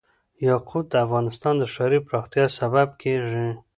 یاقوت د افغانستان د ښاري پراختیا سبب کېږي.